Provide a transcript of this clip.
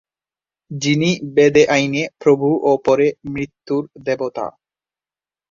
যিনি বেদে আইনের প্রভু ও পরে মৃত্যুর দেবতা।